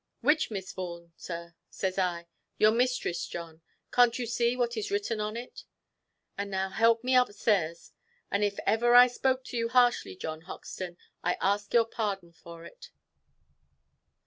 'Which Miss Vaughan, Sir?' says I. 'Your mistress, John. Can't you see what is written on it? And now help me upstairs; and if ever I spoke to you harshly, John Hoxton, I ask your pardon for it.